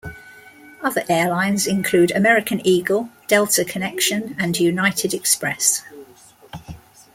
Other airlines include American Eagle, Delta Connection and United Express.